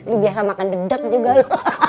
lo biasa makan dedek juga lo